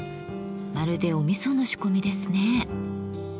まるでおみその仕込みですね。